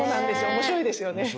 面白いですよね。